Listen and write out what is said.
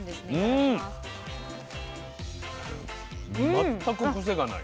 全く癖がない。